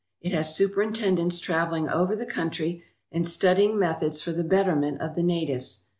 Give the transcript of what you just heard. It has superintendents travelling over the country and studying methods for the betterment of the natives.